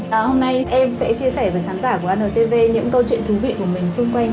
hôm nay em sẽ chia sẻ với khán giả của ani tv những câu chuyện thú vị của mình xung quanh